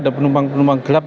ada penumpang penumpang gelap